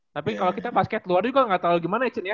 tapi kalau kita pas ke luar juga nggak tahu gimana ya cen ya